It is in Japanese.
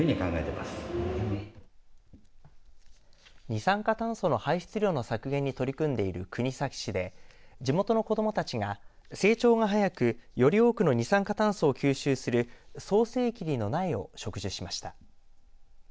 二酸化炭素の排出量の削減に取り組んでる国東市で地元の子どもたちが成長が早くより多くの二酸化炭素を吸収する早生桐の苗を植樹しました。